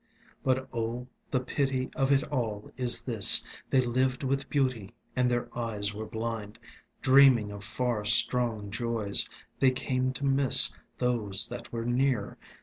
But oh, the pity of it all is this: They lived with beauty and their eyes were blind. Dreaming of far strong joys, they came to miss Those that were near.